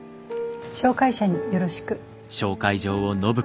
紹介者によろしく。